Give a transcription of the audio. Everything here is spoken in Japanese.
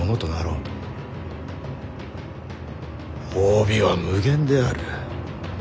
褒美は無限である。